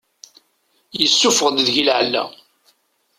Yessuffeɣ-d deg-i lɛella.